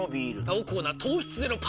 青コーナー糖質ゼロ